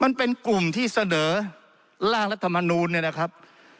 มันเป็นกลุ่มที่เสนอร่างรัฐมนูลเนี่ยนะครับ